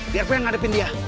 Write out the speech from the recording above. dia pengen ngadepin dia